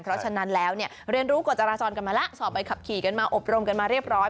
เพราะฉะนั้นแล้วเนี่ยเรียนรู้กฎจราจรกันมาแล้วสอบไปขับขี่กันมาอบรมกันมาเรียบร้อย